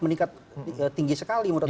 meningkat tinggi sekali menurut saya